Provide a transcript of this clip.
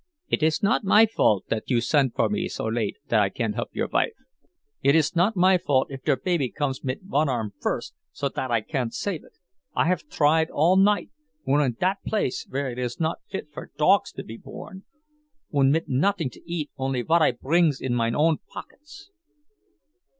It is not my fault dat you send for me so late I can't help your vife. It is not my fault if der baby comes mit one arm first, so dot I can't save it. I haf tried all night, und in dot place vere it is not fit for dogs to be born, und mit notting to eat only vot I brings in mine own pockets."